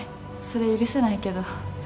そりゃ許せないけど。